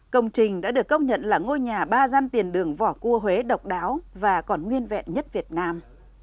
công trình đã được công nhận là ngôi nhà ba gian tiền đường vỏ cua huế độc đáo và còn nguyên vẹn nhất việt nam